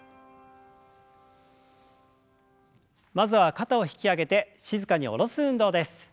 まずは肩を引き上げて静かに下ろす運動です。